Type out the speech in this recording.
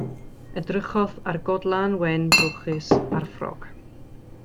Edrychodd ar y got wlân wen drwchus a'r ffrog.